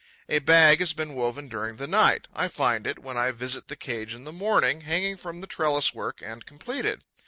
A bag has been woven during the night. I find it, when I visit the cage in the morning, hanging from the trellis work and completed.